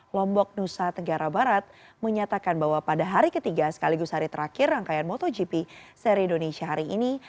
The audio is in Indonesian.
lombok nusa tenggara barat menyatakan bahwa pada hari ketiga sekaligus hari terakhir rangkaian motogp seri indonesia hari ini